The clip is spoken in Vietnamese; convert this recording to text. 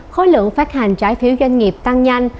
khối lượng phát hành trái phiếu doanh nghiệp tăng nhanh